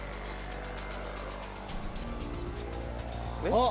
「あっ」